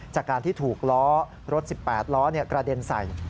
จากการที่ถูกล้อรถ๑๘ล้อกระเด็นใส่